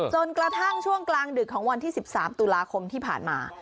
จนกระทั่งช่วงกลางดึกของวันที่๑๓ตุลาคมที่ผ่านมา